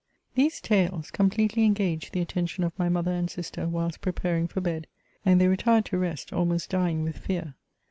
These tales Qompletely engaged the attention of my mother and sister whilst preparing for bed ; and they retired to rest, almost dying with fear.